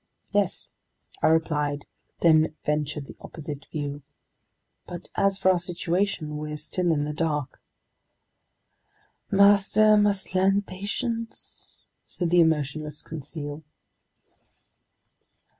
"Yes," I replied, then ventured the opposite view. "But as for our situation, we're still in the dark." "Master must learn patience," said the emotionless Conseil.